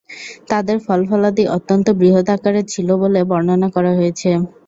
তাদের ফল-ফলাদি অত্যন্ত বৃহৎ আকারের ছিল বলে বর্ণনা করা হয়েছে।